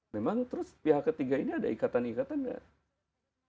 memang terus pihak ketiga ini ada ikatan ikatan nggak